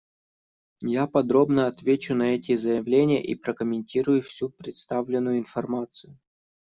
Я подробно отвечу на эти заявления и прокомментирую всю представленную информацию.